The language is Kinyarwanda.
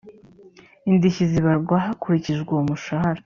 indishyi zibarwa hakurikijwe uwo mushahara